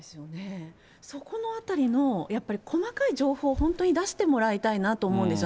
そこのあたりも、やっぱり細かい情報を本当に出してもらいたいなと思うんですよ。